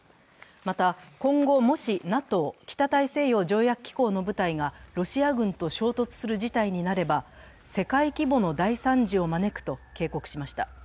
また、今後もしＮＡＴＯ＝北大西洋条約機構の部隊がロシア軍と衝突する事態になれば世界規模の大惨事を招くと警告しました。